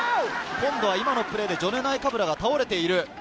今のプレーでジョネ・ナイカブラが倒れている。